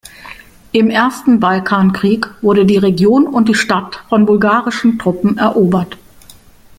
Im Ersten Balkankrieg wurde die Region und die Stadt von bulgarischen Truppen erobert.